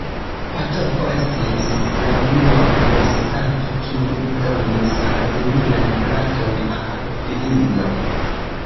Padovo estis la unua universitato kiu donis akademian gradon al virino.